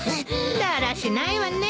だらしないわね。